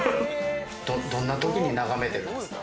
どんなときに眺めてるんですか？